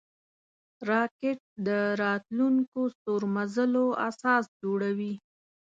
راکټ د راتلونکو ستورمزلو اساس جوړوي